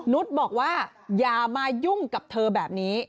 นุษย์บอกว่าอย่ามายุ่งกับเธอแบบนี้